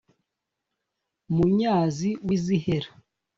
munyazi w’izihera